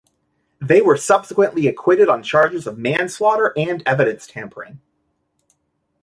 They were subsequently acquitted on charges of manslaughter and evidence tampering.